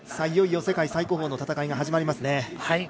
いよいよ世界最高峰の戦いが始まりますね。